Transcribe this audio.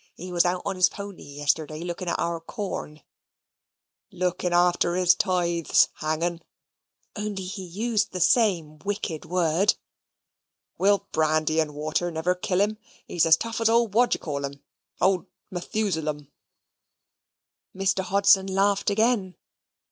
He was out on his pony yesterday, looking at our corn." "Looking after his tithes, hang'un (only he used the same wicked word). Will brandy and water never kill him? He's as tough as old whatdyecallum old Methusalem." Mr. Hodson laughed again.